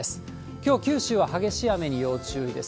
きょう、九州は激しい雨に要注意です。